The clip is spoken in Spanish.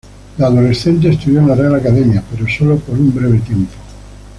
De adolescente, estudió en la Real Academia, pero sólo por un breve tiempo.